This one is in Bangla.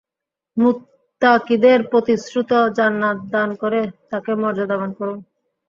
মুত্তাকীদের প্রতিশ্রুত জান্নাত দান করে তাকে মর্যাদাবান করুন।